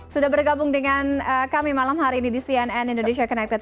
sudah bergabung dengan kami malam hari ini di cnn indonesia connected